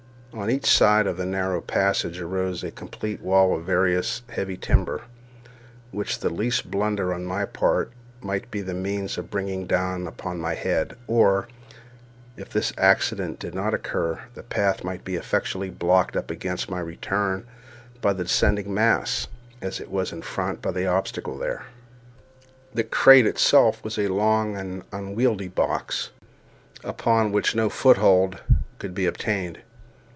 On each side of the narrow passage arose a complete wall of various heavy lumber, which the least blunder on my part might be the means of bringing down upon my head; or, if this accident did not occur, the path might be effectually blocked up against my return by the descending mass, as it was in front by the obstacle there. The crate itself was a long and unwieldy box, upon which no foothold could be obtained.